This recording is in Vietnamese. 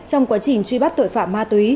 trong quá trình truy bắt tội phạm ma túy